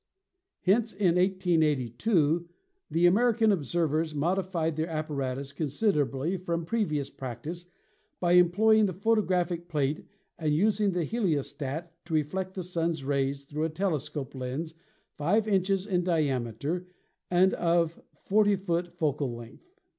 Hence in 1882 the American observers modified their apparatus considerably from previous prac tice by employing the photographic plate and using the heliostat to reflect the Sun's rays through a telescope lens 5 inches in diameter and of 40 foot focal length.